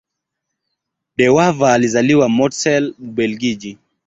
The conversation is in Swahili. De Wever alizaliwa Mortsel, Ubelgiji.